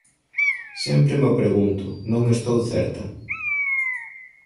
Sempre mo pregunto, non estou certa